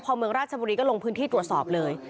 พอเมืองราชบุรีก็ลงพื้นที่ตรวจสอบเลย